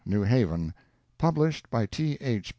New Haven: published by T. H.